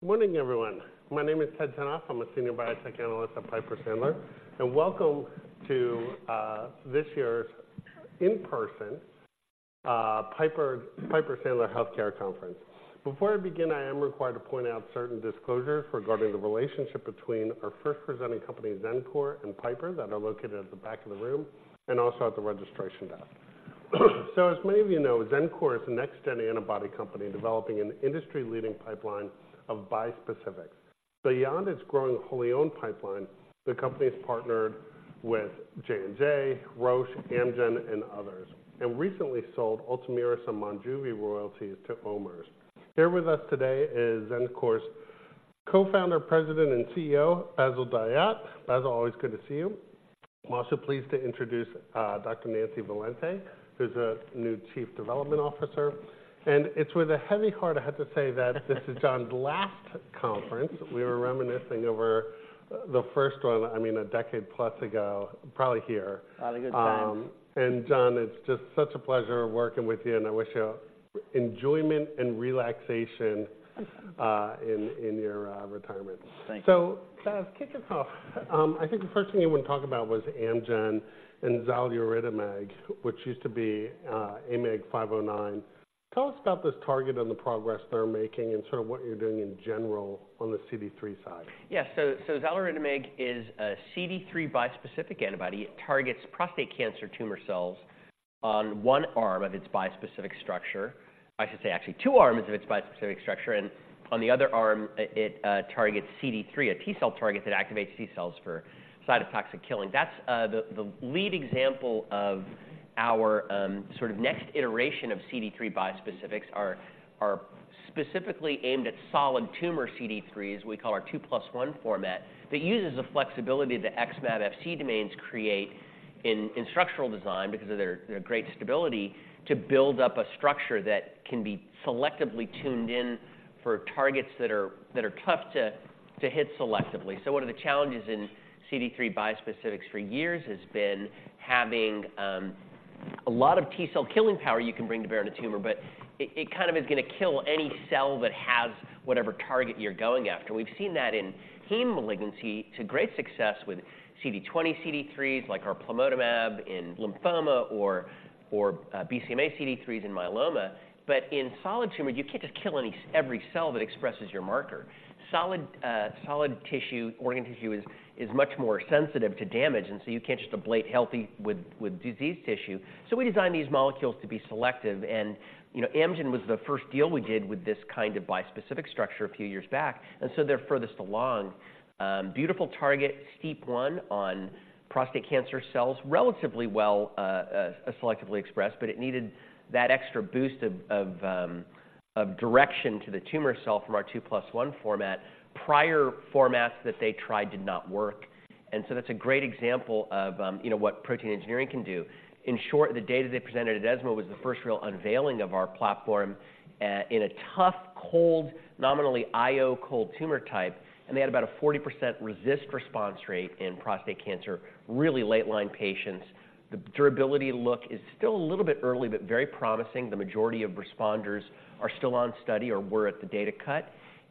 Good morning, everyone. My name is Ted Tenthoff. I'm a Senior Biotech Analyst at Piper Sandler, and welcome to this year's in-person Piper Sandler Healthcare Conference. Before I begin, I am required to point out certain disclosures regarding the relationship between our first presenting company, Xencor, and Piper Sandler that are located at the back of the room and also at the registration desk. So as many of you know, Xencor is a next-gen antibody company developing an industry-leading pipeline of bispecifics. So beyond its growing wholly owned pipeline, the company has partnered with J&J, Roche, Amgen, and others, and recently sold Ultomiris and Monjuvi royalties to OMERS. Here with us today is Xencor's co-founder, president, and CEO, Bassil Dahiyat. Bassil, always good to see you. I'm also pleased to introduce Dr. Nancy Valente, who's a new Chief Development Officer. It's with a heavy heart I have to say that this is John's last conference. We were reminiscing over the first one, I mean, a decade plus ago, probably here. Had a good time. John, it's just such a pleasure working with you, and I wish you enjoyment and relaxation in your retirement. Thank you. Bassil, kick us off. I think the first thing you want to talk about was Amgen and xaluritamig, which used to be, AMG 509. Tell us about this target and the progress they're making and sort of what you're doing in general on the CD3 side. Yeah. So, xaluritamig is a CD3 bispecific antibody. It targets prostate cancer tumor cells on one arm of its bispecific structure. I should say actually two arms of its bispecific structure, and on the other arm, it targets CD3, a T-cell target that activates T cells for cytotoxic killing. That's the lead example of our sort of next iteration of CD3 bispecifics are specifically aimed at solid tumor CD3s, we call our 2+1 format, that uses the flexibility that XmAb Fc domains create in structural design because of their great stability to build up a structure that can be selectively tuned in for targets that are tough to hit selectively. So one of the challenges in CD3 bispecifics for years has been having a lot of T-cell killing power you can bring to bear in a tumor, but it kind of is gonna kill any cell that has whatever target you're going after. We've seen that in heme malignancy to great success with CD20, CD3s, like plamotamab, in lymphoma or BCMA CD3s in myeloma. But in solid tumor, you can't just kill any every cell that expresses your marker. Solid tissue, organ tissue is much more sensitive to damage, and so you can't just ablate healthy with diseased tissue. So we designed these molecules to be selective, and you know, Amgen was the first deal we did with this kind of bispecific structure a few years back, and so they're furthest along. Beautiful target, STEAP1 on prostate cancer cells, relatively well, selectively expressed, but it needed that extra boost of direction to the tumor cell from our 2+1 format. Prior formats that they tried did not work, and so that's a great example of, you know, what protein engineering can do. In short, the data they presented at ESMO was the first real unveiling of our platform, in a tough, cold, nominally IO-cold tumor type, and they had about a 40% RECIST response rate in prostate cancer, really late line patients. The durability look is still a little bit early, but very promising. The majority of responders are still on study or were at the data cut,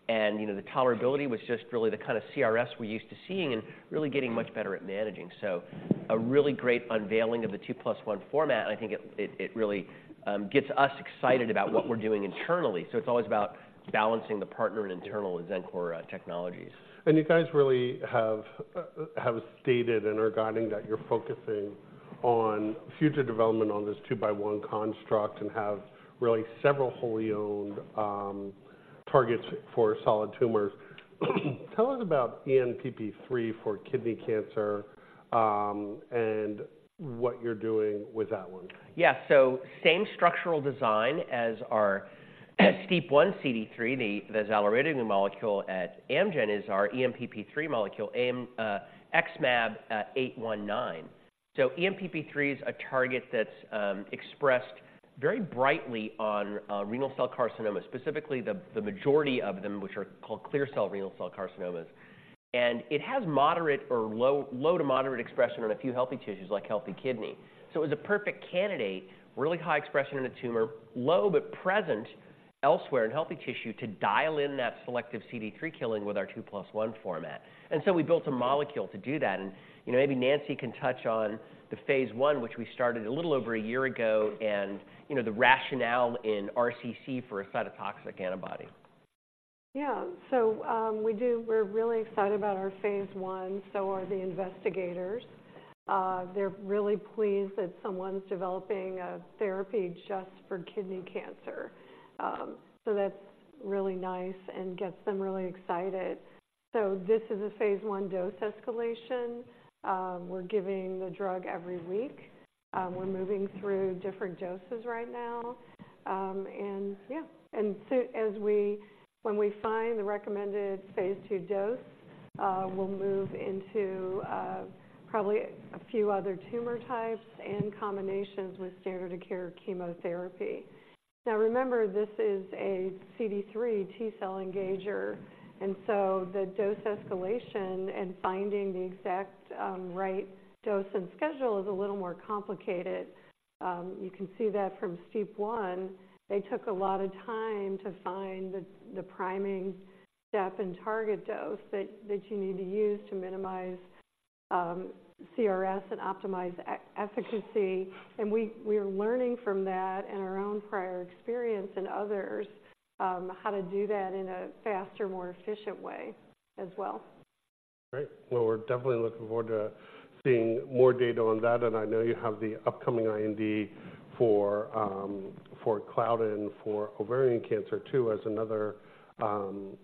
and, you know, the tolerability was just really the kind of CRS we're used to seeing and really getting much better at managing. So a really great unveiling of the 2+1 format, I think it really gets us excited about what we're doing internally. So it's always about balancing the partner and internal at Xencor technologies. You guys really have stated and are guiding that you're focusing on future development on this 2+1 construct and have really several wholly owned targets for solid tumors. Tell us about ENPP3 for kidney cancer, and what you're doing with that one. Yeah. So same structural design as our STEAP1 CD3, the xaluritamig molecule at Amgen, is our ENPP3 molecule, XmAb819. So ENPP3 is a target that's expressed very brightly on renal cell carcinoma, specifically the majority of them, which are called clear cell renal cell carcinomas. And it has moderate or low, low to moderate expression on a few healthy tissues, like healthy kidney. So it was a perfect candidate, really high expression in a tumor, low but present elsewhere in healthy tissue, to dial in that selective CD3 killing with our 2+1 format. And so we built a molecule to do that, and, you know, maybe Nancy can touch on the phase I, which we started a little over a year ago, and, you know, the rationale in RCC for a cytotoxic antibody. Yeah. So, we're really excited about our phase I, so are the investigators. They're really pleased that someone's developing a therapy just for kidney cancer. So that's really nice and gets them really excited. So this is a phase I dose escalation. We're giving the drug every week. We're moving through different doses right now. And so when we find the recommended phase II dose, we'll move into probably a few other tumor types and combinations with standard of care chemotherapy. Now, remember, this is a CD3 T-cell engager. And so the dose escalation and finding the exact right dose and schedule is a little more complicated. You can see that from STEAP1, they took a lot of time to find the priming step and target dose that you need to use to minimize CRS and optimize efficacy. And we are learning from that in our own prior experience and others, how to do that in a faster, more efficient way as well. Great. Well, we're definitely looking forward to seeing more data on that, and I know you have the upcoming IND for CLDN6 for ovarian cancer, too, as another 2+1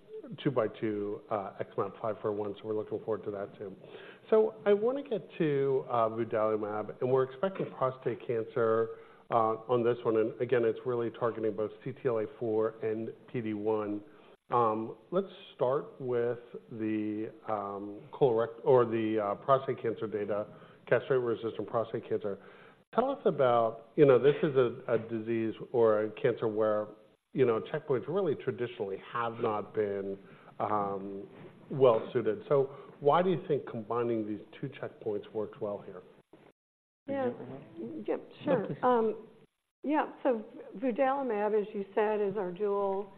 XmAb541, so we're looking forward to that, too. So I want to get to vudalimab, and we're expecting prostate cancer on this one. And again, it's really targeting both CTLA-4 and PD-1. Let's start with the colorectal or the prostate cancer data, castration-resistant prostate cancer. Tell us about... You know, this is a disease or a cancer where, you know, checkpoints really traditionally have not been well suited. So why do you think combining these two checkpoints works well here? Yeah. Do you want to? Yep, sure. Okay. Yeah, so vudalimab, as you said, is our dual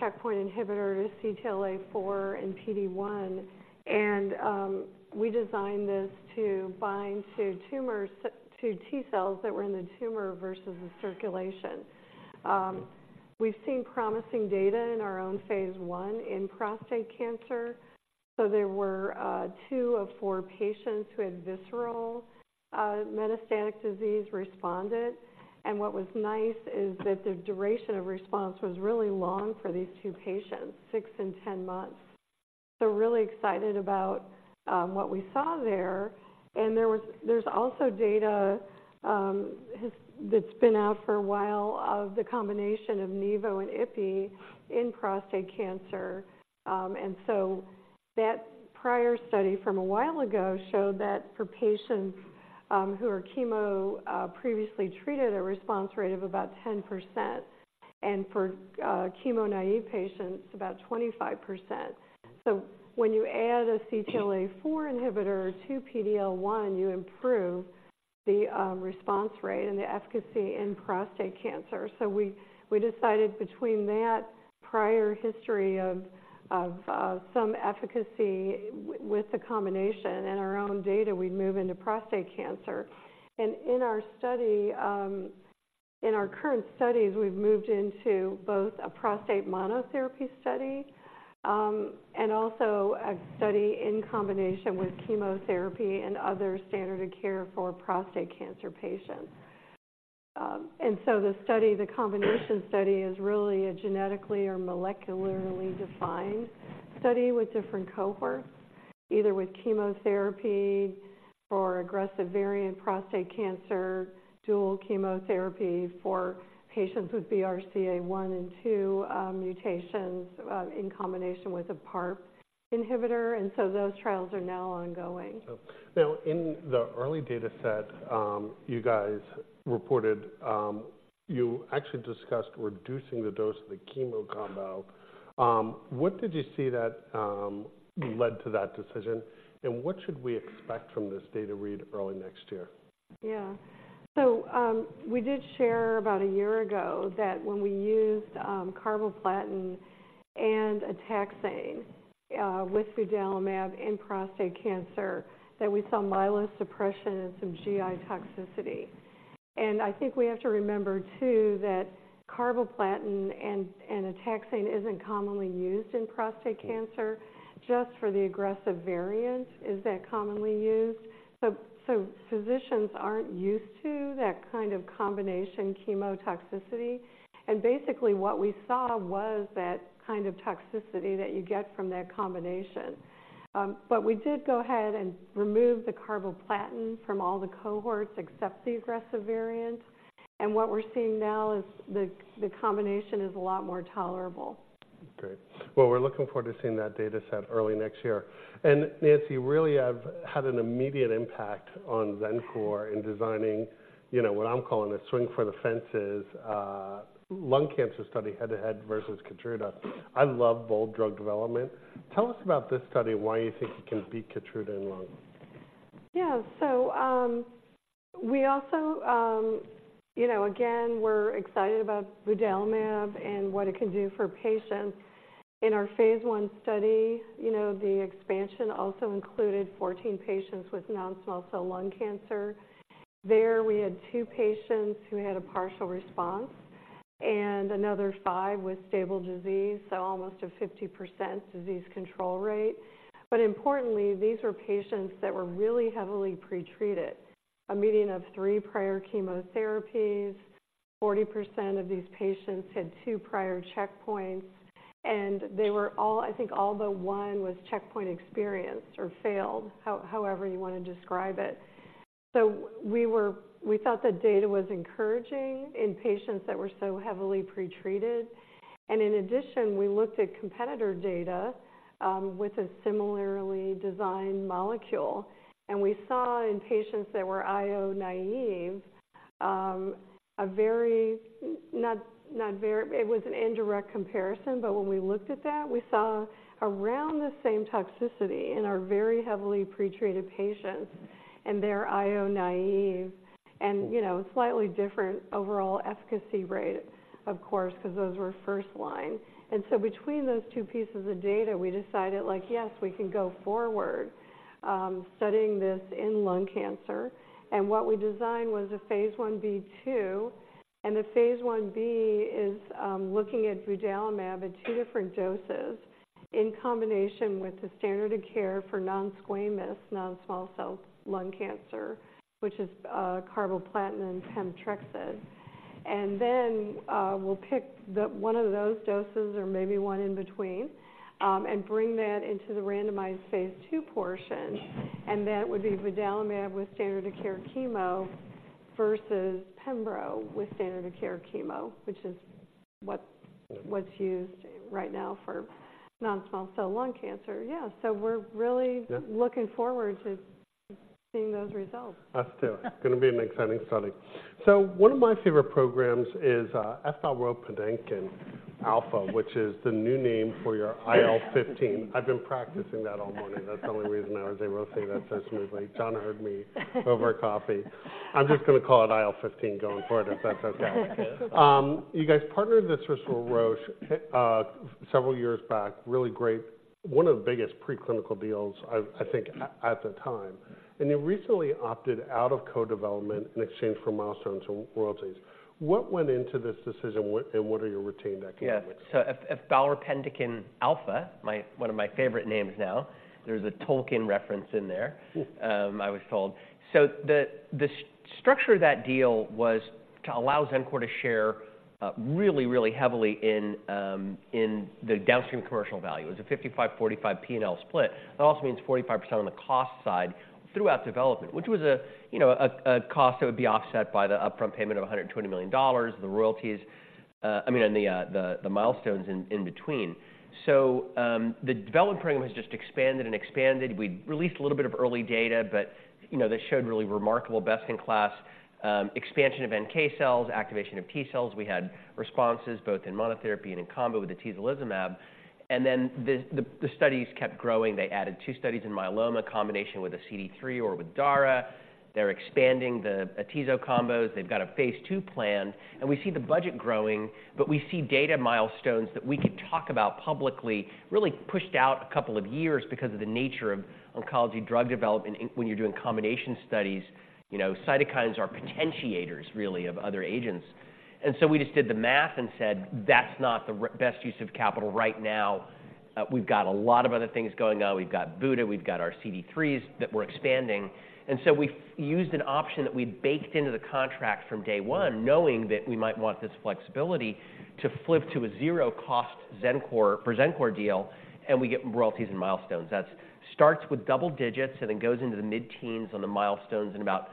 checkpoint inhibitor, CTLA-4 and PD-1. And we designed this to bind to tumors, to T cells that were in the tumor versus the circulation. We've seen promising data in our own phase I in prostate cancer. So there were two of four patients who had visceral metastatic disease responded, and what was nice is that the duration of response was really long for these two patients, six and 10 months. So really excited about what we saw there. And there's also data that's been out for a while, of the combination of nivo and ipi in prostate cancer. That prior study from a while ago showed that for patients who are chemo previously treated, a response rate of about 10%, and for chemo-naive patients, about 25%. So when you add a CTLA-4 inhibitor to PD-L1, you improve the response rate and the efficacy in prostate cancer. So we decided between that prior history of some efficacy with the combination and our own data, we'd move into prostate cancer. In our study, in our current studies, we've moved into both a prostate monotherapy study and also a study in combination with chemotherapy and other standard of care for prostate cancer patients. and so the study, the combination study, is really a genetically or molecularly defined study with different cohorts, either with chemotherapy for aggressive variant prostate cancer, dual chemotherapy for patients with BRCA1 and BRCA2 mutations, in combination with a PARP inhibitor, and so those trials are now ongoing. Now, in the early dataset, you guys reported, you actually discussed reducing the dose of the chemo combo. What did you see that led to that decision, and what should we expect from this data read early next year? Yeah. So, we did share about a year ago that when we used carboplatin and a taxane with vudalimab in prostate cancer, that we saw myelosuppression and some GI toxicity. And I think we have to remember, too, that carboplatin and a taxane isn't commonly used in prostate cancer, just for the aggressive variant is that commonly used. So, physicians aren't used to that kind of combination chemotoxicity. And basically, what we saw was that kind of toxicity that you get from that combination. But we did go ahead and remove the carboplatin from all the cohorts, except the aggressive variant. And what we're seeing now is the combination is a lot more tolerable. Great. Well, we're looking forward to seeing that dataset early next year. And Nancy, you really have had an immediate impact on Xencor in designing, you know, what I'm calling a swing for the fences, lung cancer study, head-to-head versus KEYTRUDA. I love bold drug development. Tell us about this study and why you think it can beat KEYTRUDA in lung. Yeah. So, we also... You know, again, we're excited about vudalimab and what it can do for patients. In our phase I study, you know, the expansion also included 14 patients with non-small cell lung cancer. There, we had two patients who had a partial response and another five with stable disease, so almost a 50% disease control rate. But importantly, these were patients that were really heavily pretreated, a median of three prior chemotherapies. 40% of these patients had two prior checkpoints, and they were all, I think all but one was checkpoint experienced or failed, however you want to describe it. So we thought the data was encouraging in patients that were so heavily pretreated. And in addition, we looked at competitor data, with a similarly designed molecule, and we saw in patients that were IO naive. It was an indirect comparison, but when we looked at that, we saw around the same toxicity in our very heavily pretreated patients and their IO naive. And, you know, slightly different overall efficacy rate, of course, because those were first line. And so between those two pieces of data, we decided, like, yes, we can go forward studying this in lung cancer. And what we designed was a phase I-B/II, and the phase I-B is looking at vudalimab at two different doses in combination with the standard of care for non-squamous non-small cell lung cancer, which is carboplatin and pemetrexed. And then, we'll pick the one of those doses or maybe one in between, and bring that into the randomized phase II portion, and that would be vudalimab with standard-of-care chemo versus pembro with standard-of-care chemo, which is what, what's used right now for non-small cell lung cancer. Yeah, so we're really- Yeah. Looking forward to seeing those results. Us, too. Gonna be an exciting study. So one of my favorite programs is, XmAb104, which is the new name for your IL-15. I've been practicing that all morning. That's the only reason I was able to say that so smoothly. John heard me over coffee. I'm just gonna call it IL-15 going forward, if that's okay. That's good. You guys partnered with Roche several years back. Really great. One of the biggest preclinical deals, I think, at the time. And you recently opted out of co-development in exchange for milestones and royalties. What went into this decision, and what are your retained economics? Yeah. So efbalropendekin alfa, one of my favorite names now, there's a Tolkien reference in there. Cool. I was told. So the structure of that deal was to allow Xencor to share really, really heavily in the downstream commercial value. It was a 55/45 P&L split. That also means 45% on the cost side throughout development, which was, you know, a cost that would be offset by the upfront payment of $120 million, the royalties, I mean, and the milestones in between. So the development program has just expanded and expanded. We released a little bit of early data, but, you know, that showed really remarkable best-in-class expansion of NK cells, activation of T-cells. We had responses both in monotherapy and in combo with atezolizumab. And then the studies kept growing. They added two studies in myeloma, combination with a CD3 or with dara. They're expanding the atezo combos. They've got a phase II plan, and we see the budget growing, but we see data milestones that we could talk about publicly, really pushed out a couple of years because of the nature of oncology drug development in... when you're doing combination studies. You know, cytokines are potentiators, really, of other agents. And so we just did the math and said, "That's not the best use of capital right now." We've got a lot of other things going on. We've got vudalimab, we've got our CD3s that we're expanding. And so we've used an option that we baked into the contract from day one, knowing that we might want this flexibility to flip to a zero-cost Xencor-for-Xencor deal, and we get royalties and milestones. That starts with double digits and then goes into the mid-teens on the milestones and about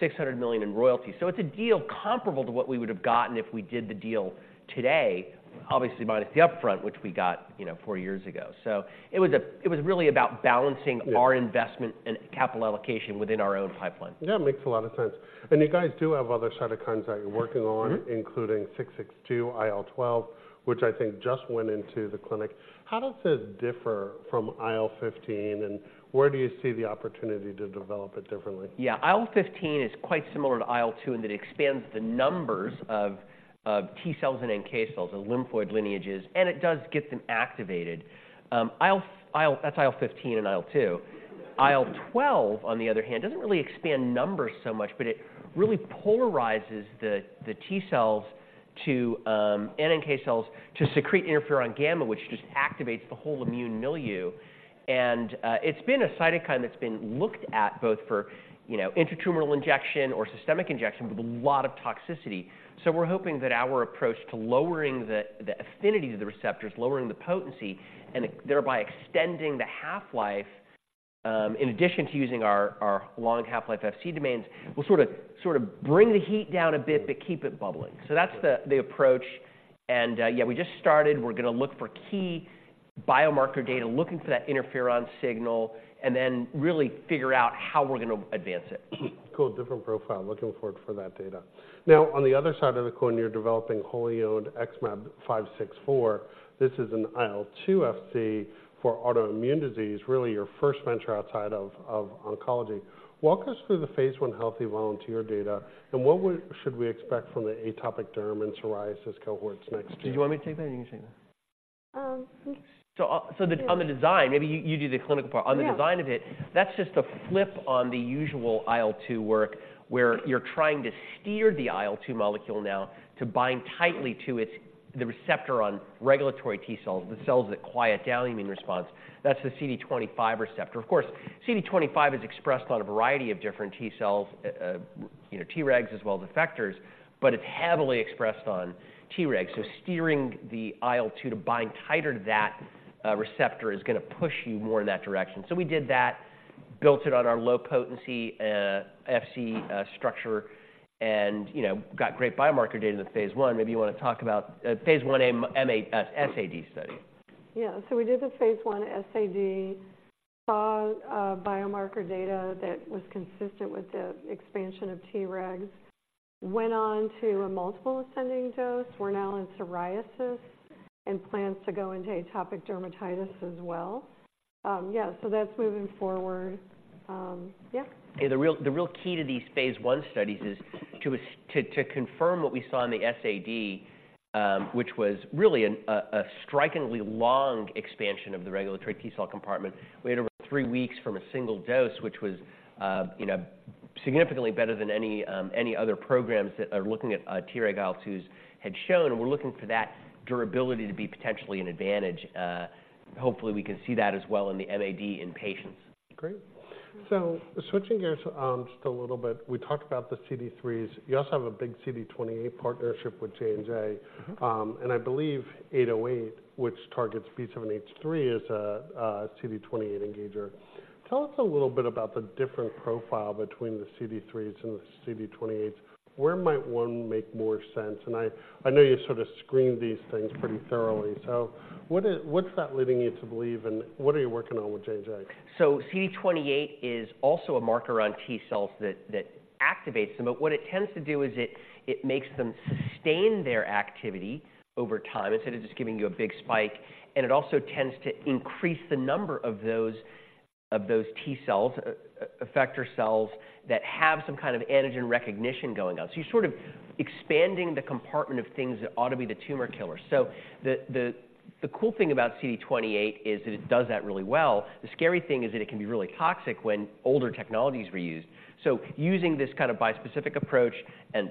$600 million in royalties. So it's a deal comparable to what we would have gotten if we did the deal today, obviously, minus the upfront, which we got, you know, four years ago. So it was a-- it was really about balancing- Yeah. Our investment and capital allocation within our own pipeline. Yeah, it makes a lot of sense. And you guys do have other cytokines that you're working on- Mm-hmm -including XmAb662, IL-12, which I think just went into the clinic. How does this differ from IL-15, and where do you see the opportunity to develop it differently? Yeah, IL-15 is quite similar to IL-2, and it expands the numbers of T cells and NK cells, the lymphoid lineages, and it does get them activated. That's IL-15 and IL-2. IL-12, on the other hand, doesn't really expand numbers so much, but it really polarizes the T cells to NK cells to secrete interferon gamma, which just activates the whole immune milieu. And it's been a cytokine that's been looked at both for, you know, intratumoral injection or systemic injection with a lot of toxicity. So we're hoping that our approach to lowering the affinity to the receptors, lowering the potency, and thereby extending the half-life, in addition to using our long half-life Fc domains, will sort of bring the heat down a bit but keep it bubbling. Yeah. So that's the approach. Yeah, we just started. We're gonna look for key biomarker data, looking for that interferon signal, and then really figure out how we're gonna advance it. Cool. Different profile. Looking forward for that data. Now, on the other side of the coin, you're developing wholly owned XmAb564. This is an IL-2 Fc for autoimmune disease, really your first venture outside of, of oncology. Walk us through the phase I healthy volunteer data, and what would... should we expect from the atopic derm and psoriasis cohorts next year? Did you want me to take that, or you can take that? Um, yes. So, on the design, maybe you do the clinical part. Yeah. On the design of it, that's just a flip on the usual IL-2 work, where you're trying to steer the IL-2 molecule now to bind tightly to its, the receptor on regulatory T cells, the cells that quiet down the immune response. That's the CD25 receptor. Of course, CD25 is expressed on a variety of different T cells, you know, Tregs as well as effectors, but it's heavily expressed on Tregs. So steering the IL-2 to bind tighter to that receptor is gonna push you more in that direction. So we did that, built it on our low potency Fc structure, and, you know, got great biomarker data in the phase I. Maybe you wanna talk about phase I MAD/SAD study. Yeah. So we did the phase I SAD, saw biomarker data that was consistent with the expansion of Tregs. Went on to a multiple ascending dose. We're now in psoriasis and plans to go into atopic dermatitis as well. Yeah, so that's moving forward. Yeah. Hey, the real key to these phase I studies is to confirm what we saw in the SAD, which was really a strikingly long expansion of the regulatory T cell compartment. We had over three weeks from a single dose, which was, you know, significantly better than any other programs that are looking at Treg IL-2s had shown, and we're looking for that durability to be potentially an advantage. Hopefully, we can see that as well in the MAD in patients. Great. So switching gears, just a little bit. We talked about the CD3s. You also have a big CD28 partnership with J&J. Mm-hmm. And I believe XmAb808, which targets B7-H3, is a CD28 engager. Tell us a little bit about the different profile between the CD3s and the CD28s. Where might one make more sense? And I know you sort of screen these things pretty thoroughly. So what's that leading you to believe, and what are you working on with J&J? So CD28 is also a marker on T cells that activates them, but what it tends to do is it makes them sustain their activity over time, instead of just giving you a big spike. And it also tends to increase the number of those T cells, effector cells, that have some kind of antigen recognition going on. So you're sort of expanding the compartment of things that ought to be the tumor killer. So the cool thing about CD28 is that it does that really well. The scary thing is that it can be really toxic when older technologies were used. So using this kind of bispecific approach and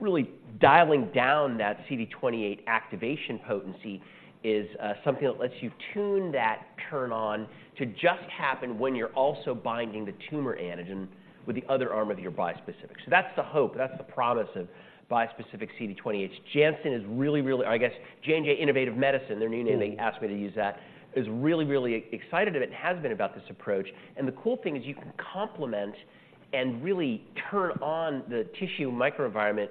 really dialing down that CD28 activation potency is something that lets you tune that turn on to just happen when you're also binding the tumor antigen with the other arm of your bispecific. So that's the hope, that's the promise of bispecific CD28. Janssen is really, really... I guess, J&J Innovative Medicine, their new name- Mm-hmm. They asked me to use that, is really, really excited, and it has been about this approach. The cool thing is you can complement and really turn on the tissue microenvironment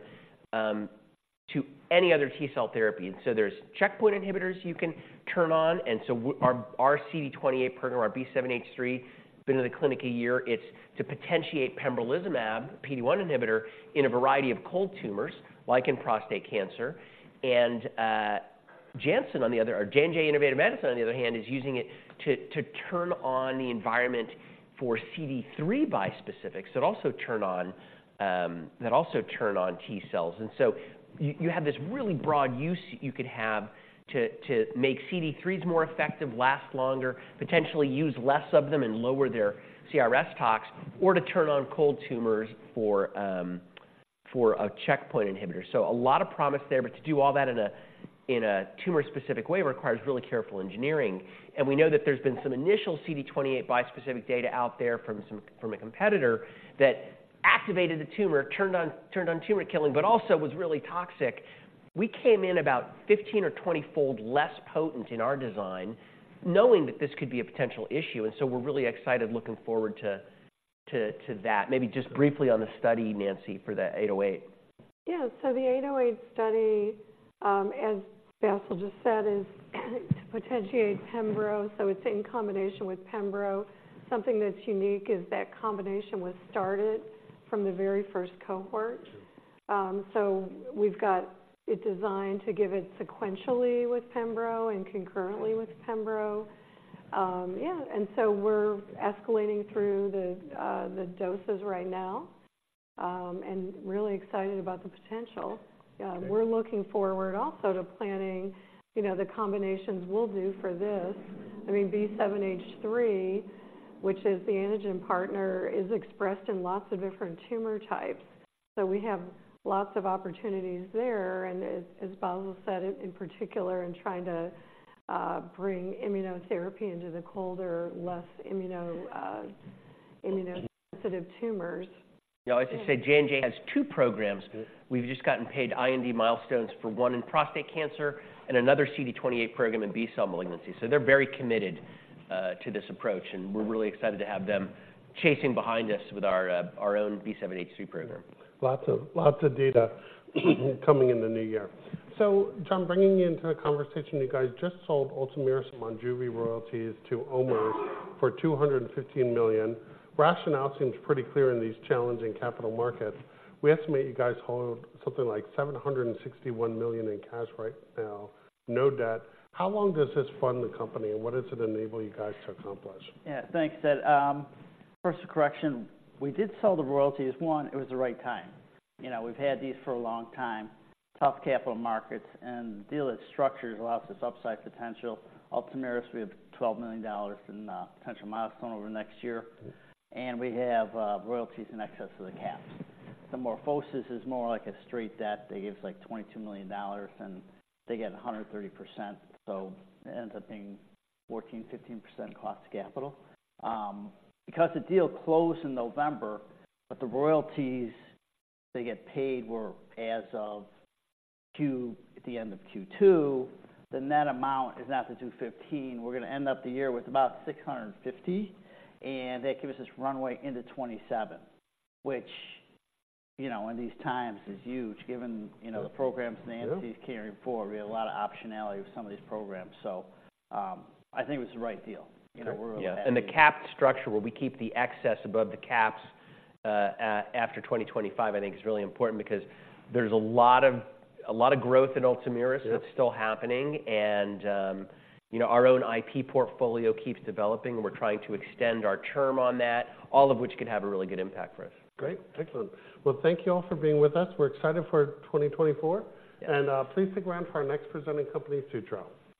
to any other T cell therapy. So there's checkpoint inhibitors you can turn on, and so our CD28 partner, our B7-H3, been in the clinic a year. It's to potentiate pembrolizumab, PD-1 inhibitor, in a variety of cold tumors, like in prostate cancer. And Janssen, on the other... Or J&J Innovative Medicine, on the other hand, is using it to turn on the environment for CD3 bispecifics that also turn on that also turn on T cells. And so you have this really broad use you could have to make CD3s more effective, last longer, potentially use less of them and lower their CRS tox, or to turn on cold tumors for a checkpoint inhibitor. So a lot of promise there, but to do all that in a tumor-specific way requires really careful engineering. And we know that there's been some initial CD28 bispecific data out there from a competitor that activated the tumor, turned on tumor killing, but also was really toxic. We came in about 15- or 20-fold less potent in our design, knowing that this could be a potential issue, and so we're really excited looking forward to that. Maybe just briefly on the study, Nancy, for the XmAb808. Yeah. So the XmAb808 study, as Bassil just said, is to potentiate pembro, so it's in combination with pembro. Something that's unique is that combination was started from the very first cohort. True. So we've got it designed to give it sequentially with pembro and concurrently with pembro. Yeah, and so we're escalating through the doses right now, and really excited about the potential. Okay. We're looking forward also to planning, you know, the combinations we'll do for this. I mean, B7-H3, which is the antigen partner, is expressed in lots of different tumor types, so we have lots of opportunities there. And as Bassil said, in particular, in trying to bring immunotherapy into the colder, less immunosuppressive tumors. You know, as you said, J&J has two programs. Good. We've just gotten paid IND milestones for one in prostate cancer and another CD28 program in B-cell malignancy. So they're very committed, to this approach, and we're really excited to have them chasing behind us with our, our own B7-H3 program. Lots of, lots of data coming in the new year. So John, bringing you into the conversation, you guys just sold Ultomiris Monjuvi royalties to OMERS for $215 million. Rationale seems pretty clear in these challenging capital markets. We estimate you guys hold something like $761 million in cash right now, no debt. How long does this fund the company, and what does it enable you guys to accomplish? Yeah, thanks, Ted. First, a correction. We did sell the royalties. One, it was the right time. You know, we've had these for a long time. Tough capital markets and the deal it structures allows us upside potential. Ultomiris, we have $12 million in potential milestone over the next year, and we have royalties in excess of the caps. The MorphoSys is more like a straight debt. They give us, like, $22 million, and they get 130%, so it ends up being 14%-15% cost to capital. Because the deal closed in November, but the royalties they get paid were as of Q- at the end of Q2, the net amount is not the 215. We're gonna end up the year with about $650, and that gives us this runway into 2027, which, you know, in these times, is huge, given, you know, the programs- Yeah.... Nancy is carrying forward. We have a lot of optionality with some of these programs, so, I think it was the right deal. You know, we're- Yeah, and the capped structure, where we keep the excess above the caps, after 2025, I think is really important because there's a lot of, a lot of growth in Ultomiris- Yeah.... that's still happening. You know, our own IP portfolio keeps developing, and we're trying to extend our term on that, all of which could have a really good impact for us. Great. Excellent. Well, thank you all for being with us. We're excited for 2024. Yeah. Please stick around for our next presenting company, Sutro Biopharma.